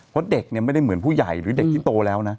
เพราะเด็กเนี่ยไม่ได้เหมือนผู้ใหญ่หรือเด็กที่โตแล้วนะ